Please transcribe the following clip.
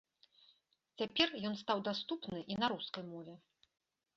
Цяпер ён стаў даступны і на рускай мове.